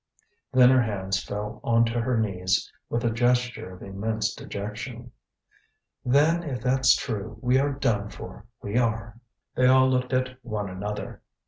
Then her hands fell on to her knees with a gesture of immense dejection: "Then if that's true, we are done for, we are." They all looked at one another.